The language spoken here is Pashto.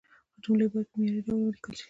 جملې باید په معياري ډول ولیکل شي.